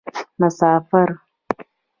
مسافر